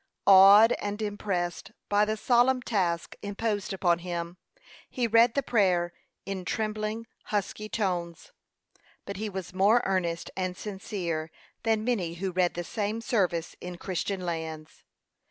Awed and impressed by the solemn task imposed upon him, he read the prayer in trembling, husky tones. But he was more earnest and sincere than many who read the same service in Christian lands.